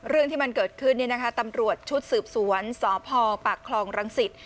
เรื่องที่มันเกิดขึ้นตำรวจชุดสืบสวนสพปากคลองรังสิต